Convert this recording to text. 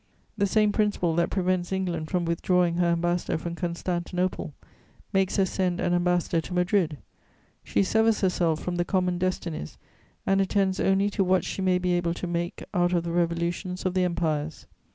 The same principle that prevents England from withdrawing her ambassador from Constantinople makes her send an ambassador to Madrid: she severs herself from the common destinies and attends only to what she may be able to make out of the revolutions of the empires.